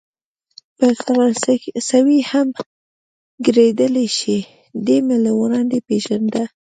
په فرانسوي هم ګړیدلای شي، دی مې له وړاندې پېژانده.